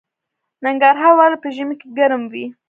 ننګرهار ولې په ژمي کې ګرم وي؟